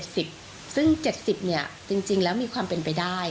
ซึ่ง๗๐เนี่ยจริงแล้วมีความเป็นไปได้